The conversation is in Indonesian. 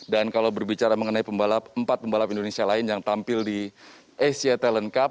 dan kalau berbicara mengenai empat pembalap indonesia lain yang tampil di asia talent cup